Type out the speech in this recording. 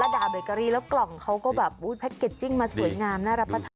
ระดาบเบรกกะรีแล้วกล่องเขาก็แบบอุ๊ยแพ็คเกจจิ้งมาสวยงามน่ารับปะท่าน